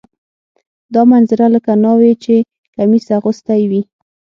دا منظره لکه ناوې چې کمیس اغوستی وي.